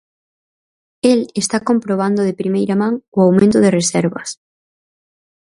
El está comprobando de primeira man o aumento de reservas.